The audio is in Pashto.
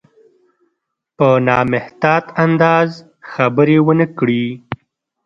په نامحتاط انداز خبرې ونه کړي.